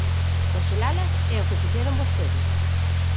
Conxelalas é o que fixeron vostedes.